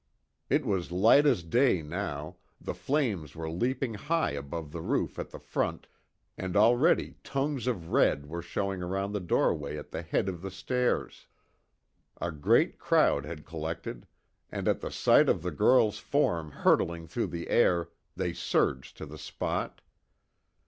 It was light as day, now, the flames were leaping high above the roof at the front, and already tongues of red were showing around the doorway at the head of the stairs. A great crowd had collected, and at the sight of the girl's form hurtling through the air, they surged to the spot.